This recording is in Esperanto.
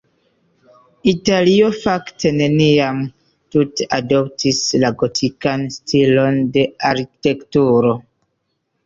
Italio fakte neniam tute adoptis la gotikan stilon de arkitekturo.